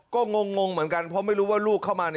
ก็งงเหมือนกันเพราะไม่รู้ว่าลูกเข้ามา